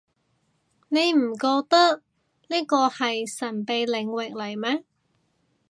你唔覺呢個係神秘領域嚟咩